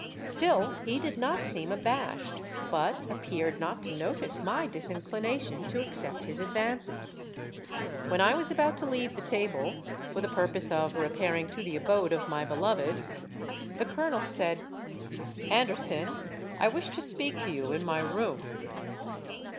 Still he did not seem abashed, but appeared not to notice my disinclination to accept his advances. When I was about to leave the table, for the purpose of repairing to the abode of my beloved, the Colonel said, 'Anderson, I wish to speak to you in my room.'